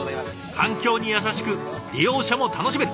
環境に優しく利用者も楽しめる。